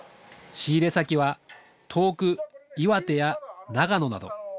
仕入れ先は遠く岩手や長野など。